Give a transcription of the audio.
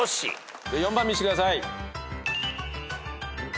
４番見してください。